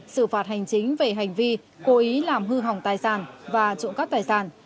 xử phạt hành chính về hành vi cố ý làm hư hỏng tài sản và trộn cắt tài sản